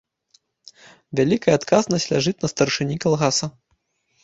Вялікая адказнасць ляжыць на старшыні калгаса.